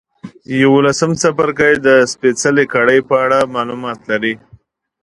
یوولسم څپرکی د سپېڅلې کړۍ په اړه معلومات لري.